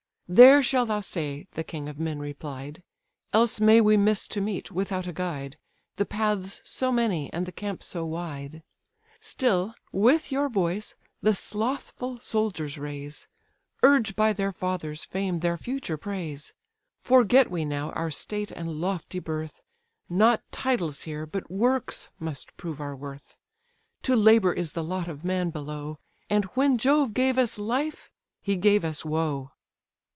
"There shall thou stay, (the king of men replied,) Else may we miss to meet, without a guide, The paths so many, and the camp so wide. Still, with your voice the slothful soldiers raise, Urge by their fathers' fame their future praise. Forget we now our state and lofty birth; Not titles here, but works, must prove our worth. To labour is the lot of man below; And when Jove gave us life, he gave us woe."